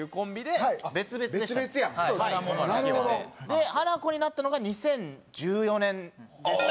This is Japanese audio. でハナコになったのが２０１４年ですね。